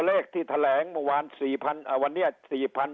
เลขที่แถลแหงมวานสี่พันเอ่อวันเนี้ยสี่พัน